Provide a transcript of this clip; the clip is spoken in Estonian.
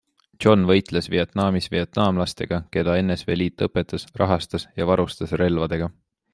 John võitles Vietnamis vietnamlastega, keda NSV Liit õpetas, rahastas ja varustas relvadega.